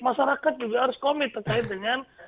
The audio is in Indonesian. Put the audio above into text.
masyarakat juga harus komit terkait dengan